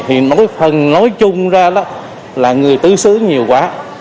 thì nói phần nói chung ra là người tứ xứ nhiều quá